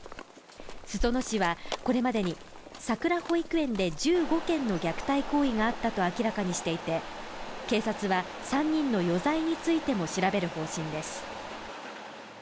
裾野市はこれまでにさくら保育園で１５件の虐待行為があったと明らかにしていて警察は３人の余罪についても調べる方針です。